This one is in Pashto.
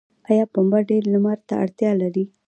آیا پنبه ډیر لمر ته اړتیا لري؟